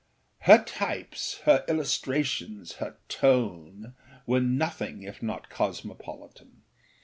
Her types, her illustrations, her tone were nothing if not cosmopolitan.